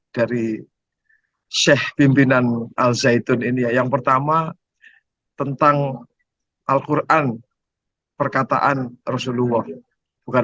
dari syekh pimpinan al zaitun ini yang pertama tentang alquran perkataan rasulullah bukan